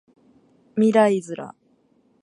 未来ズラ